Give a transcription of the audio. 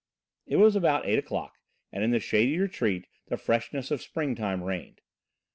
It was about eight o'clock, and in the shady retreat the freshness of springtime reigned.